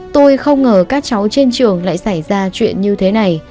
tôi không ngờ các cháu trên trường lại xảy ra chuyện như thế này